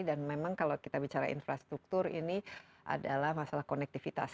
dan memang kalau kita bicara infrastruktur ini adalah masalah konektivitas